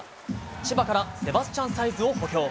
千葉からセバスチャン・サイズを補強。